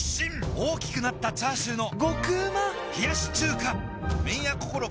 大きくなったチャーシューの麺屋こころ